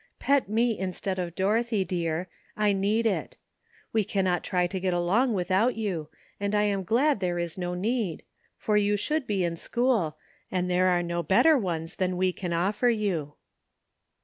Pet me instead of Dorothy, dear ; I need it. We cannot try to get along without you, and I am glad there is no need ; for you should be in school, and there are no better ones than we can offer you."